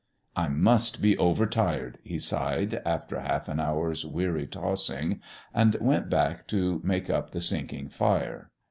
"I must be over tired," he sighed, after half an hour's weary tossing, and went back to make up the sinking fire.